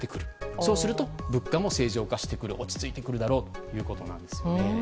そうすると物価も正常化して落ち着いてくるということです。